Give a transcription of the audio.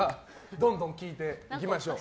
どんどん聞いていきましょう。